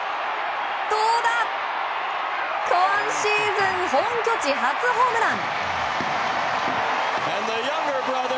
今シーズン本拠地初ホームラン！